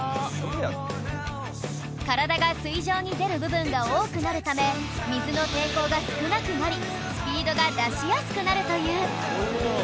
体が水上に出る部分が多くなるため水の抵抗が少なくなりスピードが出しやすくなるという